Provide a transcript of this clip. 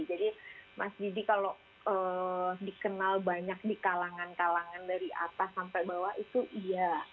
jadi mas didi kalau dikenal banyak di kalangan kalangan dari atas sampai bawah itu iya